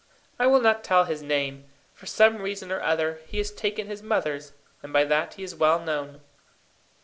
I will not tell his name. For some reason or other he had taken his mother's, and by that he is well known.